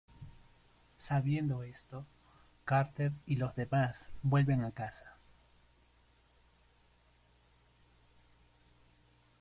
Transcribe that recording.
Sabiendo esto, Carter y los demás vuelven a casa.